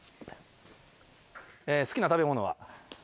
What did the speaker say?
好きな食べ物は？